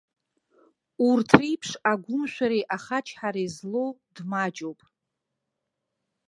Урҭ реиԥш агәымшәареи ахачҳареи злоу дмаҷуп.